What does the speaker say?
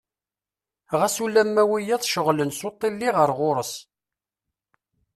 Ɣas ulamma wiyaḍ cceɣlen s uṭili ɣer ɣur-s.